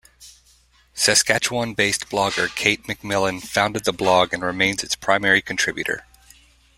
Saskatchewan-based blogger Kate McMillan founded the blog and remains its primary contributor.